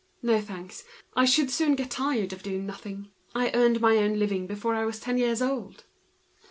"No, thanks; I should soon get tired of doing nothing. I earned my own living before I was ten years old."